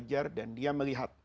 belajar dan dia melihat